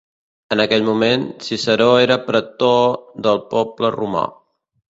En aquell moment, Ciceró era pretor del poble romà.